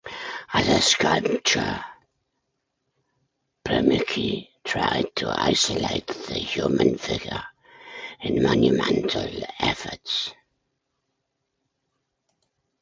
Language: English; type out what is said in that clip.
As a sculptor, Permeke tried to isolate the human figure in monumental efforts.